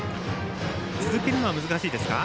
続けるのは難しいですか。